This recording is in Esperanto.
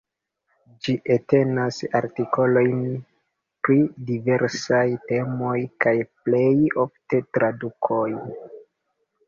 Ĝi entenas artikolojn pri diversaj temoj, kaj plej ofte tradukojn.